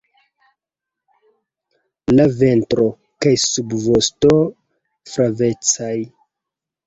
La ventro kaj subvosto flavecaj.